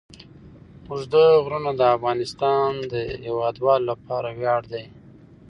اوږده غرونه د افغانستان د هیوادوالو لپاره ویاړ دی.